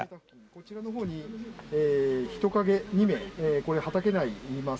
こちらのほうに人影２名、畑にいます。